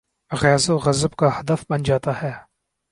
غیظ و غضب کا ہدف بن جا تا ہے۔